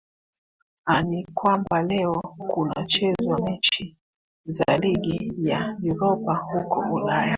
a ni kwamba leo kunachezwa mechi za ligi ya uropa huko ulaya